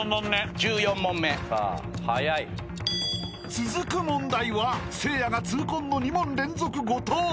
［続く問題はせいやが痛恨の２問連続誤答］